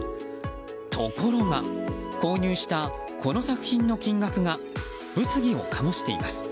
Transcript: ところが購入したこの作品の金額が物議を醸しています。